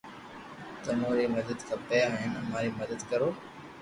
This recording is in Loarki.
تموري ري مدد کپي ھين اماري مدد ڪرو